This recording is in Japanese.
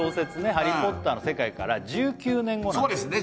「ハリー・ポッター」の世界から１９年後なんですそうですね